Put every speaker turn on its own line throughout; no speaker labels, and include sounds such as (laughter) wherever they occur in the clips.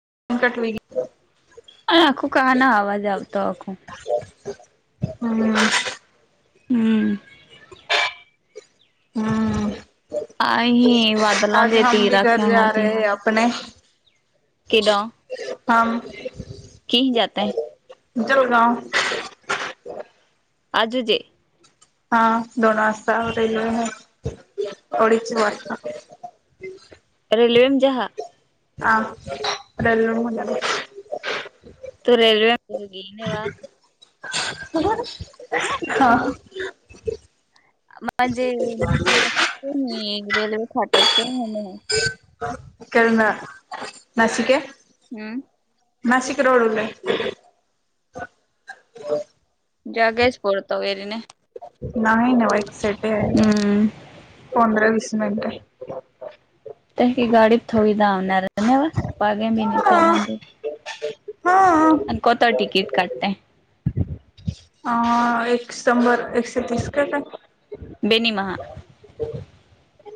(unintelligible)
ऑंखो का ना आवाज आतो ऑंखो.
हम्
हम
हम आज भी घर जा रहे हैं
(unintelligible)
अपने
किड
हम
कि जातेय.
जलगाव
आज जे
हा दोन वाजता हॉटेल वर आवडीचे वाटता. ते
रेल्वेन जहा
हा रेल्वे होत्याच की
तू रेल्वे होगी ने वा
हा
म्हणजे मी रेल्वे फाटक के आलेय.
कारण नाशिक हे
हम्म
नाशिक रोड उलट
जगेच बोलतो एरिने
नाही ना बा एक सेट आहे
हम्म
पंधरा वीस मिनट
ते क गाडीत थोई धावणार रेव पागे बी नाही
हा
जानागी.
हा
आणि कोठ टिकीट काडते
अ एक शंभर एकशे तीस काय काय
बेनि महा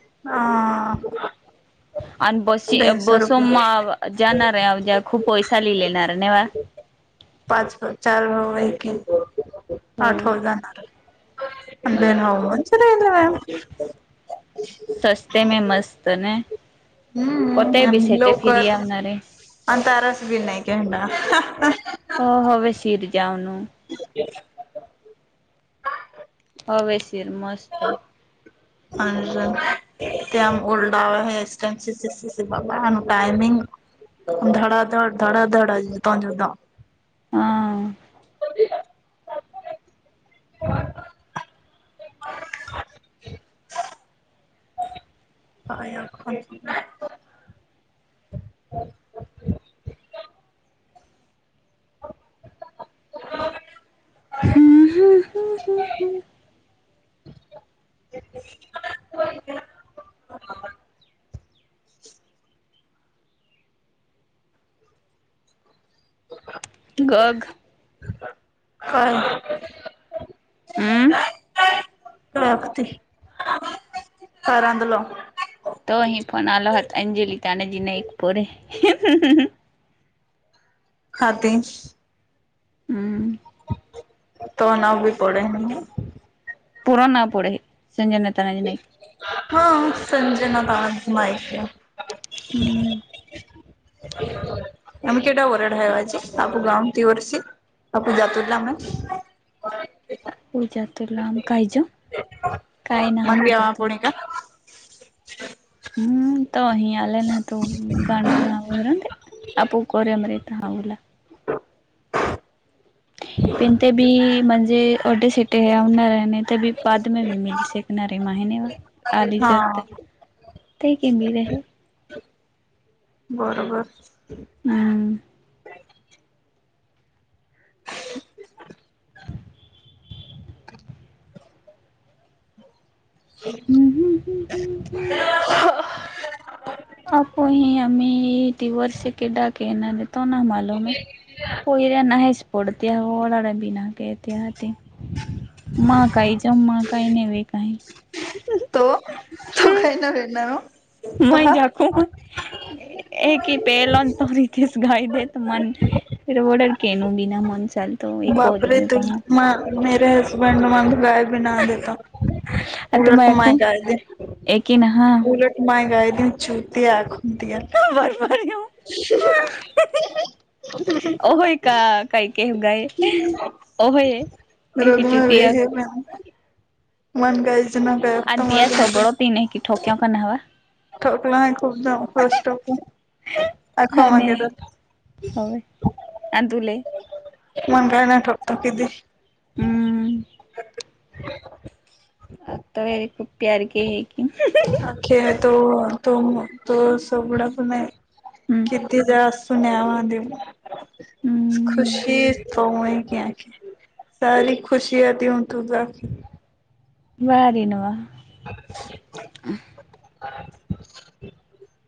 ह
आणि बसने बसून जाणार आहे. उद्या खूप पैसा लिहिलेणार नेव.
पाच चार भा वक
हो
आठ भाऊ जाणार अडे ना ह म्हंचनयल मॅम
सस्ते मे मस्तने
हम्म लवकर आणि त्रास बि नाही केयना
हो होवे शिर जावनो
(unintelligible)
हवेेशीर मस्त
आणि त्याम ओल्डा आट स सी बा टाइमिंग धडा धड धडा धडाता जध
हा
(unintelligible) (unintelligible) काय अ (inaudible) अ (unintelligible) (unintelligible) (unintelligible) काय
हम्म
वक्ती कर आण धलाव
तो ही फोन आलो होत अंजली तानाजी नाईकपुरे
खात
हम्म
त नाव भी पढे नाही
पुरो ना पुढे संजय नताना नाही
हा संजना दज मायक (unintelligible)
हम्म
आम केटा वरडायवाज आपू गम ती वर्ष (unintelligible) (unintelligible) म्हणवी आवा कोणी का
(unintelligible) (unintelligible)
हम
(unintelligible)
हा
जर तर (unintelligible)
बरोबर
हम्म हम्म हम्म हम्म हम् ह (unintelligible) (unintelligible) (unintelligible)
(unintelligible) कहा
(unintelligible) (unintelligible)
बापरे
ओजरी
तु
होता हा
म (unintelligible)
आता मय आखू
(unintelligible)
एकीन हा
(unintelligible)
(unintelligible)
रग मे वेहे
(unintelligible) अंतिया सबड़ो तीन एकी ठोक्यो का
(unintelligible)
नवा अने
(unintelligible)
(unintelligible)
(unintelligible)
हम्म आता वेरी खूप प्यार के है की
ह (unintelligible)
हम्म
(unintelligible)
हम्म
(unintelligible) (unintelligible)
(unintelligible)
ह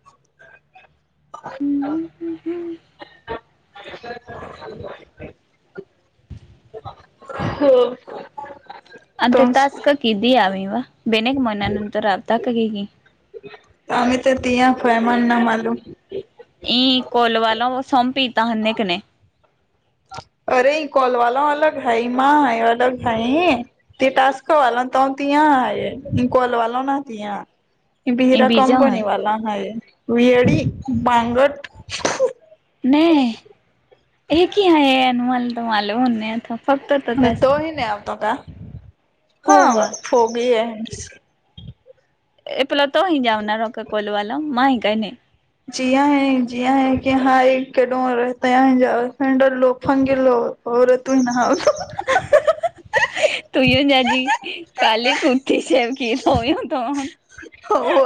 (unintelligible) हो
आणि ते आजकाल
(unintelligible)
(unintelligible)
(unintelligible)
ई
हय
बीजा हय
(unintelligible)
(unintelligible)
आणि तो
(unintelligible) हो वा
(unintelligible)
(unintelligible)
जिया ह जिया है की हाय एक केडो राहत या झारखंड लोक फंगे लोक होर तू ना
तु ना आजी काली कुतीस क होई होता हून
हो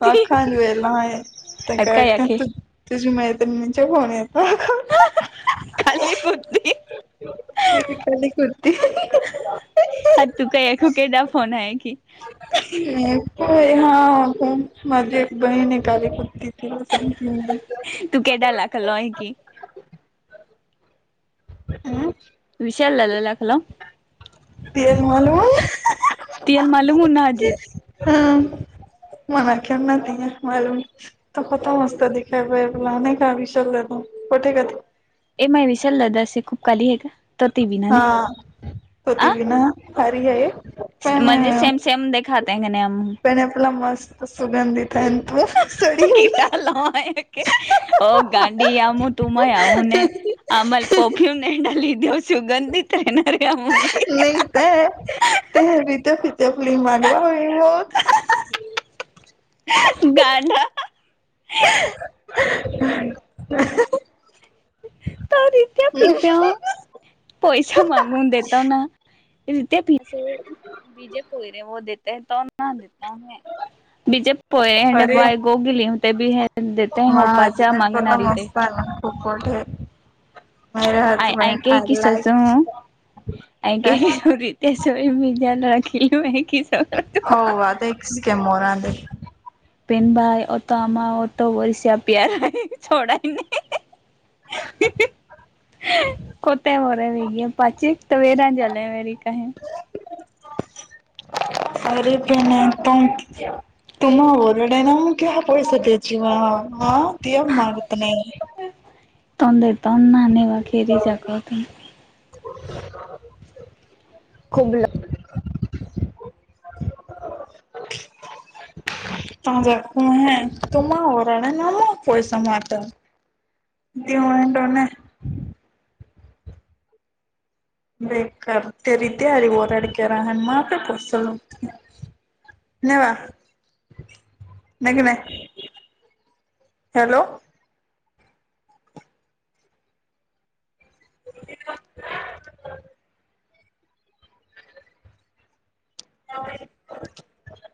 पाखांज वेला आहे ते
अब काय
कर
आखे
तुझी मैत्रीण चे फोन आहेत
खली पूर्ती (unintelligible)
विकली कुर्ती
एकोके द फोन आहे की
हो हा माझी एक बहीने कार करती ते सां
तू केडा लाखलो आहे की
हम
विशाल लाखला
तेल मालूम
तियल मल मुना हाजी
हा मनाखे ना ंग मल तो खत मस्तता दिखा प बोला अने कावीसले (unintelligible) होठे का ते
एम विशलला द अस खूप काली ह का तो ती भी ना
हा
ने
होती
आ
विना सारी आहेय
म्हणजे सेम सेम देखाते घ नम
सुगंधित हो
किता लव आहे एकके अ गांडीी आमु तुम्हा आ न आम्हा परफ्यूमड लि
नाही ते ते तर फिती फुली मागवा हो
गाड तरीित्या फित पैसा मागवून देतो ना दे पिसे बीजे पयरे व देेत तर ना बीजे पय ए
अरे
बाय गो गली होते बी हे ध्याेत
मा
होपाच्या
हजबंड को तर
मागणारारीी ते
मस्त आनंद खूप मोठे मेरे
आ ऐ
हजबंड
काय
आय
किसच
लाईक
अ सव रित सवय मीध्याान राखेल
हो आता एकच गेमर आध
पेन बा तो आम्हा तो बशया पयार डयने कोत मोर्या मघया पाच स वर झालं मरी काही
अरे प नाहीत तुम्हा रड आहे ना म क पैसा त्याची हा ते मागत नाही
तु त ना नाही वा खेरी जाकतु खुंबला
त जाकू ह तू मा होरड ना म पयस माात तडो ना बेक ते रत अरी ओराडकार हन माात पर्सल नवा नाहीक नाही हॅलो हो